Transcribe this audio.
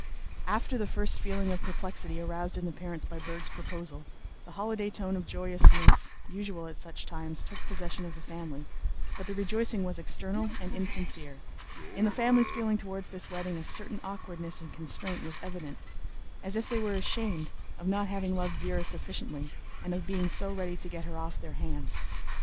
After the first feeling of perplexity aroused in the parents by Berg's proposal, the holiday tone of joyousness usual at such times took possession of the family, but the rejoicing was external and insincere. In the family's feeling toward this wedding a certain awkwardness and constraint was evident, as if they were ashamed of not having loved Véra sufficiently and of being so ready to get her off their hands.